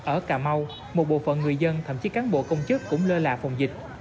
ở cà mau một bộ phận người dân thậm chí cán bộ công chức cũng lơ là phòng dịch